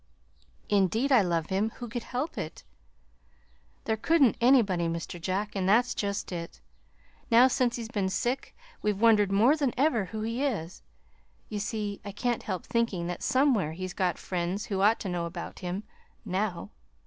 "Indeed I love him! Who could help it?" "There couldn't anybody, Mr. Jack, and that's just it. Now, since he's been sick, we've wondered more than ever who he is. You see, I can't help thinking that somewhere he's got friends who ought to know about him now."